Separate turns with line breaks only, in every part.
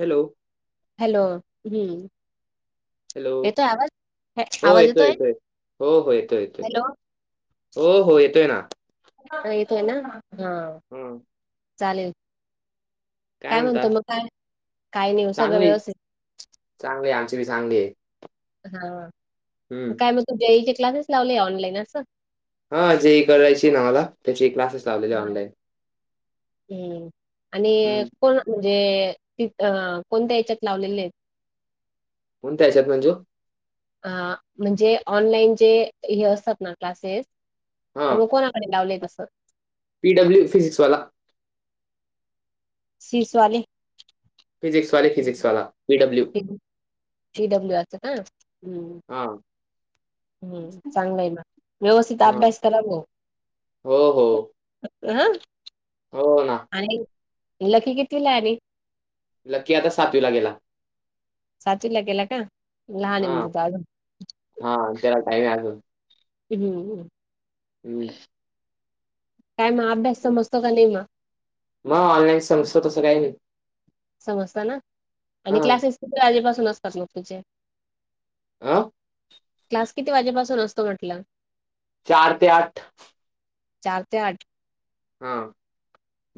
Hello!
Hello हूं!
Hello
हे-
हो
आवाज
येतोय येतोय, हो हो येतोय येतोय.
हॅलो
हो हो येतोय ना!
येकायला येतंय ना हा!
हूं!
चालेल काय म्हणतो मग काय काय नाही ओ सगळं व्यवस्थित.
चांगलीय आमची बी चांगली हे.
हा म काय म्हणतो बी आय चे क्लासेस लावले ऑनलाईन असं.
हा जे ई ई करायची ना माला त्याचे क्लासेस लावलेले ऑनलाईन.
हूं आणि
हं.
कोना म्हणजे ति अ कोणत्या याच्यात लावलेले हेत.
कोणत्या याच्यात म्हणज्यो.
अ म्हणजे ऑनलाईन चे हे असतात ना क्लासेस तर मग कोना कडे लावलेत असं.
पी डब्ल्यू फिजिक्सवाला वाला.
सीसवाले.
फिजिक्सवाले, फिजिक्सवाला पीडब्ल्यू.
पि डब्ल्यू आस का हूं!
हा!
हूं चांगलय ना व्यवस्थित
हां.
अभ्यास करा भो.
हो हो
हा
हो ना
आणि लकी कितीवी ला रे.
लकी आता सातवीला गेला.
सातवीला ला गेला का, लहान हे म्हणजे तो अजून.
हा तेला टाईम आजुन.
[inaudible]
हम्.
काय म अभ्यास समस्त का नाही मग?
मग ऑनलाईन समजतो तसं काही नाही.
समजताना आणि
हां
क्लासेस कि आधीपासून असतात मग तीचे.
आं?
क्लास किती वाजेपासून असतो म्हटलं?
चार ते आठ
चार ते आठ.
हा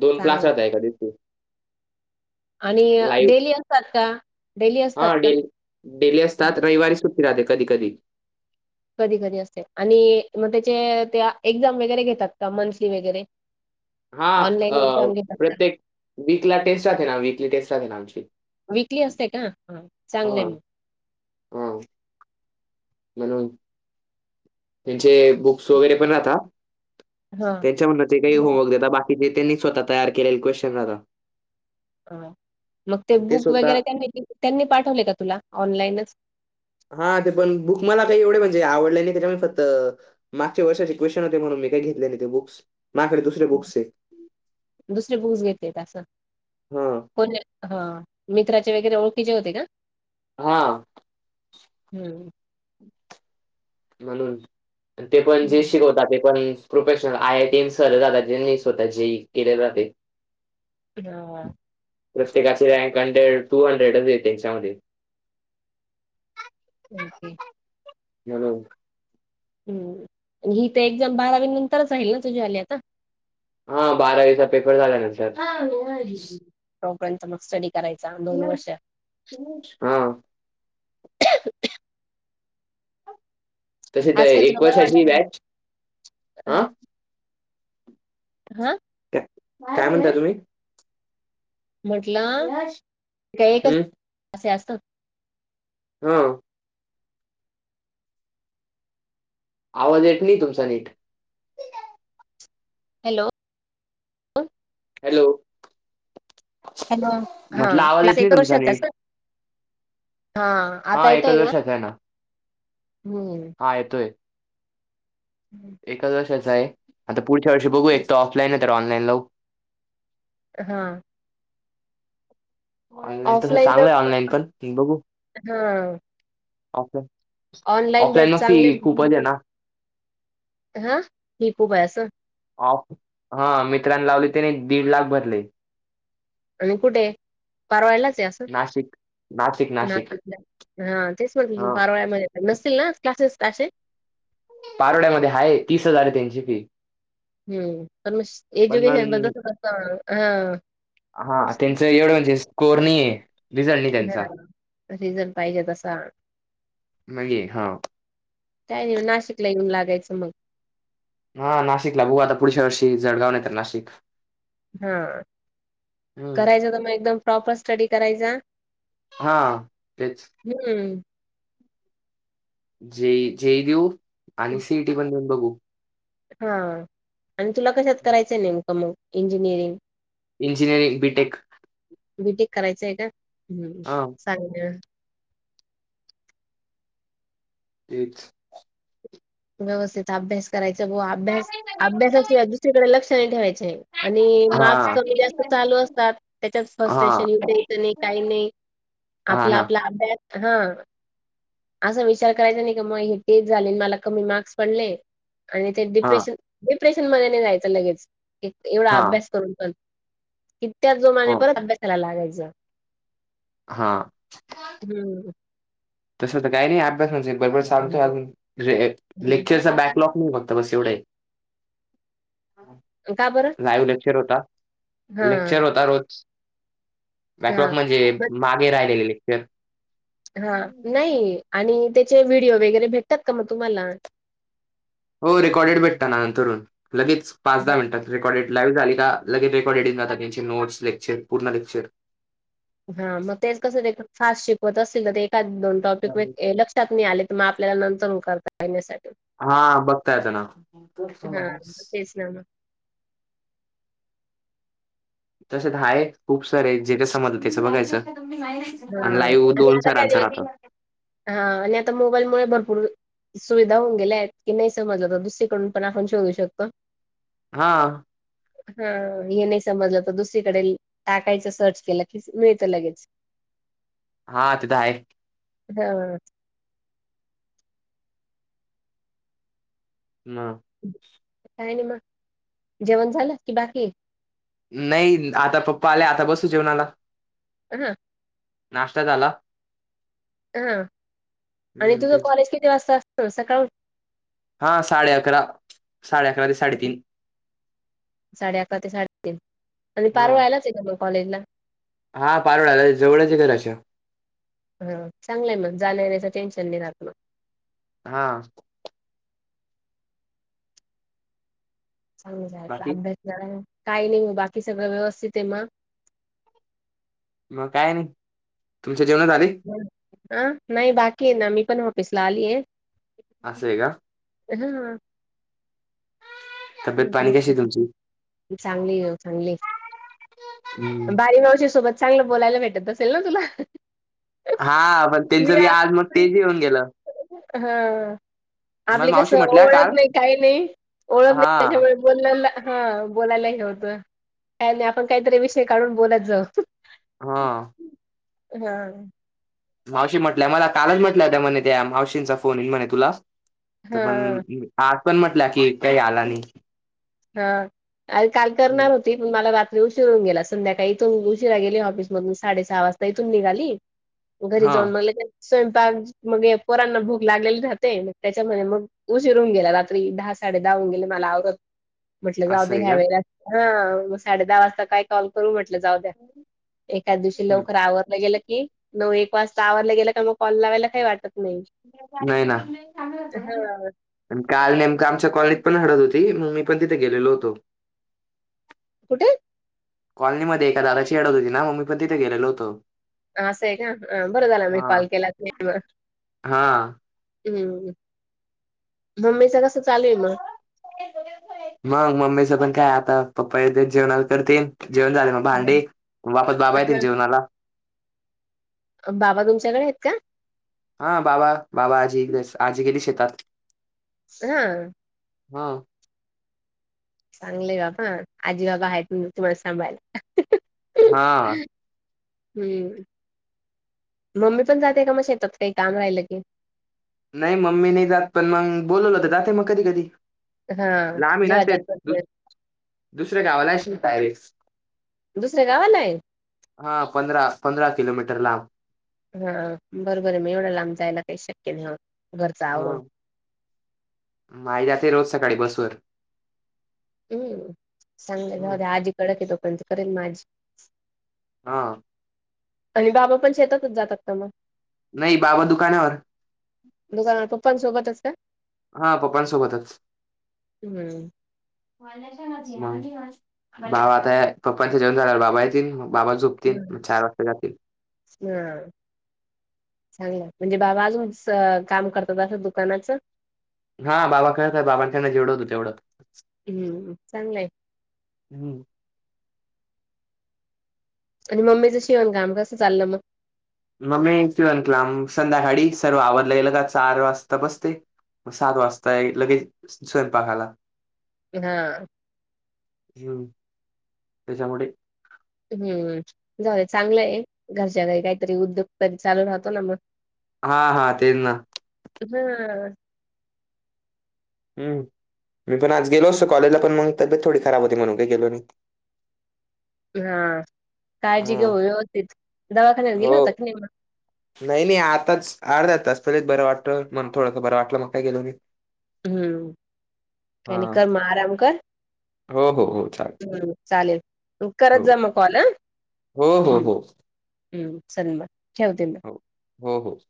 दोन फ्लाचात आहे का तिथे?
आणि डेली असतात का? डेली असतात
हा
का?
डे डेली असतात. रविवारी सुट्टी राहते कधी - कधी.
कधी -कधी असते आणि मग त्याचे त्या एक्झाम वगैरे घेतात का मंथली वगैरे.
हा
ऑनलाईन
अ
एक्झाम घेतात का?
प्रत्येक वीकला टेस्ट राहते ना? वीकली टेस्ट राहते ना आमची.
वीकली असते का? ह चांगलंय मग.
ह. म्हणून त्यांचे बुक्स वगैरे पण राहता.
हां.
त्यांच्या म्हणले ते काही होमवर्क देता बाकी कि देतेली त्यांनी स्वतः तयार केलेली क्वेशन राहता.
हा मग ते
आणि
बुक
स्वतः
वगैरे त्यांनी - त्यांनी ते पाठवले का तुला? ऑनलाईनच.
हा ते पण बुक मला काही एवढे म्हणजे आवडले नाही त्याच्यामुळे फक्त मागच्या वर्षाचे क्वेशन होते म्हणून मी काही घेतले नाही ते बुक्स मायाकडे दुसरे बुक्स आहेत.
दुसरे बुक्स घेते का अस.
हा.
कोणी? हा. मित्राचे वगैरे ओळखीचे होते का?
हा.
हम्म.
म्हणून ते पण जे
हम्म.
शिकवता ते पण professional I I T M sir जाता जेनी स्वतः जे केलेले राहते.
हा.
प्रत्येकाची रँक हंड्रेड टू हंड्रेडच येते याच्यामध्ये.
ओके.
[unintelligible]
हम्म ही तर एक्झाम बारावी नंतरच राहील ना तुझी आली आता?
हा बारावीचा पेपर झाल्या नंतर. हालो
हम्म् हम्म तोपर्यंत मग स्टडी करायचा दोन वर्ष
हा. तसे तर
आज काय तुला
एक
बरं
वर्षाची
वाटलं
बॅच. हा?
हा?
काय म्हणता तुम्ही?
म्हटलं का एकच
हम्म
असे असतात.
हो. आवाज येत नाही तुमचा नीट.
हॅलो!
हॅलो!
हॅलो! हा
म्हटलं आवाज
क्लास
येत नाही
एक
तुमचा
वर्षा चा
नीट
असतो? हा आता
हा एकच
येतोय ना
वर्षाचा आहे
हम्म
हा येतोय
हम्म.
एकच वर्षाच आहे आता पुढच्या वर्षी बघू एक तर ऑफलाईन आहे तर ऑनलाईन लावू
हा
ऑनलाईन तस
ऑफलाईन जर
चांगलं आहे ऑनलाईन पण बघू
हां
ऑफलाईन
ऑनलाईन भेट
ऑफलाईन
चांगले
मस्ती खूपच आहे ना.
[unintelligible]
ऑफ हा मित्रांनी लावली त्याने दीड लाख भरले.
आणि कुठे? परवायलाच आहे असं
नाशिक नाशिक नाशिक
हा तेच मग
हा
परवायामध्ये नसतील ना क्लासेस असे
पारोड्यामध्ये आहे तीस हजार आहे त्यांची फी
हम्म म
पण
एज्युकेशन ब
मग
हा
हा त्यांच एवढं म्हणजे स्कोर नाही आहे रिझल्ट नाही त्यांचा
रिझल्ट पाहिजे तसा
नाही ये हा
त्यावेळी नाही नाशिकला येऊन लागायचं मग
हा नाशिकला बघ आता पुढच्या वर्षी जळगाव नाही तर नाशिक
हा
हम्म
करायचं तर मग एकदम प्रॉपर स्टडी करायचा
हा तेच.
हम्म
जे जेई देऊ आणि सिईटी पण देऊन बघू
हा आणि तुला कशात करायचंय नेमकं मग engineering?
Engineering B tech
B tech करायचं आहे ना
हा
सांगते.
तेच.
व्यवस्थित अभ्यास करायचा व अभ्यास अभ्यासाशिवाय दुसरीकडे लक्ष नाही ठेवायचं आहे आणि मार्क्स
हा
कमी जास्त चालू असतात त्याच्यात फर्स्ट
हा
टेशन येऊ द्यायचं नाही काही नाही.
हा
आपला
ना
आपला अभ्यास हा.. असा विचार करायचा नाही क मग हे तेच झाले मला कमी मार्क्स पडले आणि ते
हा
डिप्रेशन डिप्रेशन मध्ये नाही जायचं लगेच एवढा
हा
अभ्यास करून पण तितक्या च जोमाने
हो,
परत अभ्यासायला लागायचा
हा.
हम्म.
तस तर काही नाही अभ्यास म्हणजे बरोबर चालतोय अजून
हं.
लेक्चरचा काय क्लॉक नाही बघत बस एवढ
का बरं?
लाईव्ह लेक्चर होता
हां,
लेक्चर होता रोज बॅक लॉक
हां.
म्हणजे
मग
मागे राहिलेले लेक्चर
हा नाही आणि त्याचे व्हिडिओ वगैरे भेटतात का मग तुम्हाला?
हो रेकॉर्डेड भेटत ना नंतरून लगेच पाच दहा मिनटात रेकॉर्डे. लाईव्ह झाली का लगे रेकॉर्डिंग जात त्यांचे नोट्स लेक्चर पूर्ण लेक्चर.
हा मग तेच कसं फास्ट शिकवत असतील ना ते एका दोन टॉपिक म लक्ष. आले तर मग आपल्याला नंतर उ कर पाण्यासाठी.
हा बघता येतं ना. [unintelligible]
आहे ना.
तसेच आहेत खूप सारे, जे जे समजले त्याचं बघायचं. आणि
हां
लाईव दोन सरांच राहत.
हा, आणि आता मोबाईलमुळं भरपूर सुविधा होऊन गेल्या आहेत, की नाही समजलं तर दुसरीकडून पण आपण शोधू शकतो.
हा.
हा. हे नाही समजलं तर दुसरीकडे टाकायचं सर्च केलं की, मिळतं लगेच.
हा ते तर आहे.
हम्म.
न
काही नाही मग. जेवण झालं की बाकीये?
नाही आता पप्पा आले, आता बसू जेवणाला.
हं
नाश्ता झाला
हं, [inaudible] आणि
हम्म
तुझं
तेच
कॉलेज किती वाजता असतं? सकाळहून
हा साडे अकरा, साडे अकरा ते साडेतीन.
साडे अकरा ते साडेतीन. आणि
हा
पारोळ्यालाच आहे का मग कॉलेजला?
हा पारोळ्याला आहे. जवळचे घराच्या.
हं. चांगलंय मग जायला येण्याचं टेन्शन नाही राहत मग.
हा
चांगलं आहे,
बाकी
अभ्यास करायचं. काही नाही मग, बाकी सगळं व्यवस्थित आहे मग?
मग काय नाही. तुमचे जेवणं झाली?
हं, अं नाही बाकी आहे ना, मी पण ऑफिस ला आलीये.
असंये का?
हम्म.
तब्येत पाणी कशी आहे तुमची
[unintelligible] चांगलीये चांगलीये.
हम्म
बाली मावशी सोबत चांगलं बोलायला भेटत असेल ना तुला?
हा पण त्यांचं बी आज मग
[unintelligible]
तेच येऊन गेलं
हा.
मग
आपली
मावशी
कसं,
म्हटल्या
ओळख
काल
नाही काही नाही. ओळख
हा
नाही त्याच्यामुळे बोलेलं हं, बोलायला हे होतं. काय नाही, आपण काहीतरी विषय काढून बोलत जाऊ.
हा.
हा.
मावशी म्हटल्या मला कालच म्हटल्या होत्या, म्हणे त्या मावशींचा फोन येईल म्हणे तुला. तर
हा
पण आज पण म्हटलं की काही आला नाही.
हा. अरे काल करणार होती मला रात्री उशिरून गेला. संध्याकाळी इथून उशिरा गेली ऑफिस मधून साडे सहा वाजता इथून निघाली.
[inaudible]
घरी जाऊन मग लगेच स्वयंपाक, मग पोरांना भूक लागलेली राहते. मग त्याच्यामध्ये मग उशीर होउन गेला रात्री. दहा, साडे दहा होउन गेले मला आवरत. म्हटलं जाऊ
असं
दे
आहे
ह्या
का?
वेळेला. हं मग ाडे दहा वाजता काय कॉल करू म्हटलं जाऊ द्या. एकाच दिवशी
हं.
लवकर आवरलं गेलं की, नऊ एक वाजता आवरलं गेलं का, मग कॉल लावायला काही वाटत नाही.
नाही ना
हा
आणि काल नेमकं आमच्या कॉलेजत पण हडत होती. मग मी पण तिथे गेलेलो होतो.
कुठे?
कॉलनीमध्ये एका दादाची हडत होती ना, मग मी पण तिथे गेलेल होतो.
असं आहे का बरं झालं मी
हां.
कॉल केला म-
हां.
हम्म हम्म मम्मीच कसं चालूय मग?
मग मम्मीच पण काय आता पप्पा येथे जेवणाला तर ते जेवण बनवते. भांडे, वापत बाबा येतील जेवणाला.
बाबा तुमच्याकडे आहेत का?
हा बाबा, बाबा आजी, आजी गेली शेतात.
हा
हा
चांगलंय बाबा आजी बाबा आहेत तुम्हाला सांभायला.
हा
हम्म मम्मी पण जाते का मग शेतात, काही काम राहिलं की-
नाही मम्मी नाही जात पण मग बोलवलं हो तर जाते मग कधी कधी.
हा
लांब आहे ना शेत,
जेव्हा
दुस
[unintelligible]
दुसऱ्या गावाला असेल टायरे.
दुसऱ्या गावाला आहे.
हा पंधरा, पंधरा किलोमीटर लांब.
हा बरंबर मग एवढं लांब जायला काही शक्य नाही ह घरच आवरून.
हं. आई जाते रोज सकाळी बसवर,
हम्म सांगलं आजी कडक येतो पणंत करेन माझी.
हा
आणि बाबा पण शेतातच जातात. का मग
नाही बाबा दुकानावर.
दुकानावर पप्पां सोबतच का?
हा पप्पांसोबतच.
हम्म
बाबा आता पप्पांच्या जेवण झाला बाबा येतील बाबा झोप- तीलमग चार वाजता जातील.
हा चांगलं म्हणजे बाबा अजून काम करतात असं दुकानाचं?
हा बाबा करतात बाबां कडण जेवढ होत तेवढं.
हम्म चांगलंय.
हम्म
आणि मम्मीचं शिवण काम कसं चाललं मग.
मग् मम्मी शिवनकाम संध्याकाळी सर्व आवरलं गेलं का चार वाजता बसते. मग सात वाजताय लगेच स्वयंपाकाला.
हा
हम् त्यांच्यामुळे,
हम्म जाऊदे चांगलं आहे, घरच्या घरी काहीतरी उद्योग पण चालू राहतो ना मग.
हा हा तेच ना
हा
हम्म मी पण आज गेलो असतो कॉलेजला, पण मग तब्ययेत थोडी खराब होती म्हणून काही गेलो नाही.
हा काळजी घे
हा
व्यवस्थित दवाखान्यां गेला
हो
होता की नाही
नाही नाही आताच अर्धा तास पहिलेच बरं वाटत मग थोडंस बरं वाटलं मग काय गेलो नाही.
हम्म, कानी
हां.
कर मग आराम कर.
हो, हो, हो. चालेल.
हम्म, चालेल. करत
हो.
जा मग कॉल हं
हो, हो,
हम्.
हो.
हम्म, चल मग ठेवती मी.
होहो, हो.